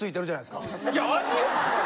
いや味は！